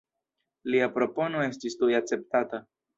Lia propono estis tuj akceptata.